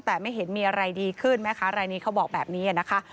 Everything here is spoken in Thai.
แต่ไม่เห็นมีอะไรดีขึ้นแม่ค้ารายนี้เขาบอกแบบนี้นะคะ